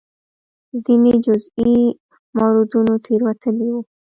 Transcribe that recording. ځینې جزئي موردونو تېروتلي وو.